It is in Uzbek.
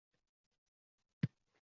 Nihoyat podshoh aytgan kun etib keldi